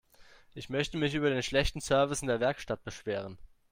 Ich möchte mich über den schlechten Service in der Werkstatt beschweren.